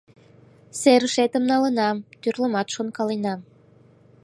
Серышетым налынам, тӱрлымат шонкаленам.